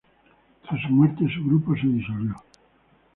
Tras su muerte, su grupo se disolvió.